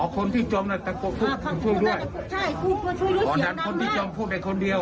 คนที่จมน่ะช่วยด้วยใช่ช่วยด้วยเสียงดังอ๋อนั้นคนที่จมพวกเด็กคนเดียว